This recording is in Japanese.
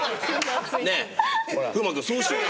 ねえ風磨君そうしようよ。